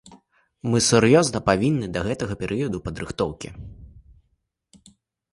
Мы сур'ёзна павінны да гэтага перыяду падрыхтоўкі.